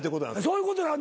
そういうことなの？